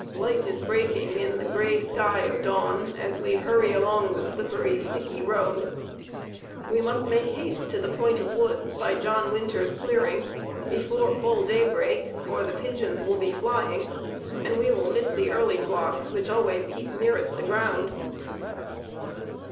Light is breaking in the gray sky of dawn as we hurry along the slippery, sticky road. We must make haste to the point of woods, by John Winter's clearing, before full daybreak or the pigeons will be flying and we will miss the early flocks which always keep nearest the ground.